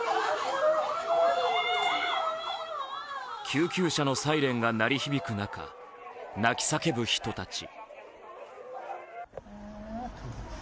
救急車のサイレンが鳴り響く中、泣き叫ぶ人たち。